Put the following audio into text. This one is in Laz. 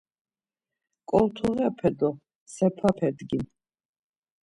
ǩoltuğepe do sep̆ape dgin.